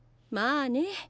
まあね。